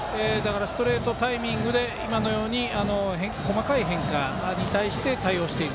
ストレートのタイミングで今のように細かい変化に対して対応している。